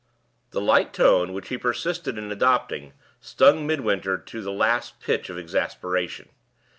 The light tone which he persisted in adopting stung Midwinter to the last pitch of exasperation.